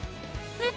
えっ？